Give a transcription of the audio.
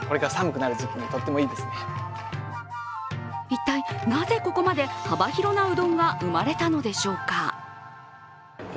一体なぜここまで幅広なうどんが生まれたのでしょうか。